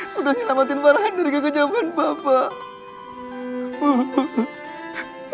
sudah selamatin farhan dari kekejaman bapak